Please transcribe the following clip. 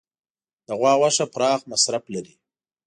د غوا غوښه پراخ مصرف لري.